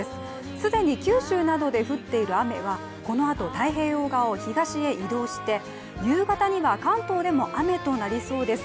既に九州などで降っている雨はこのあと太平洋側を東へ移動して夕方には関東でも雨となりそうです。